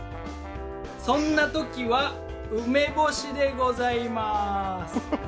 そんな時は梅干しでございます。